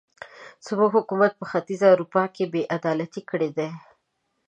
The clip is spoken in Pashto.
زموږ حکومت په ختیځه اروپا کې بې عدالتۍ کړې دي.